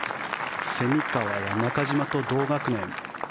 蝉川や中島と同学年。